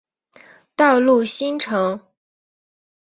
道路新城。